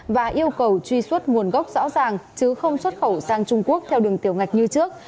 và yêu cầu truy xuất nguồn gốc rõ ràng chứ không xuất khẩu sang trung quốc theo đường tiểu ngạch như trước